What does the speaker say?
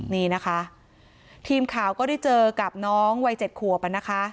นี่นะคะทีมข่าวก็ได้เจอกับน้องวัย๗ขวบนะคะ